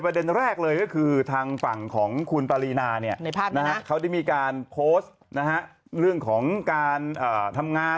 ประเด็นแรกเลยก็คือทางฝั่งของคุณปารินา